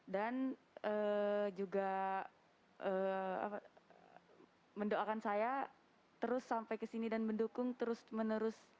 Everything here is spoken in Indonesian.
dan juga mendoakan saya terus sampai ke sini dan mendukung terus menerus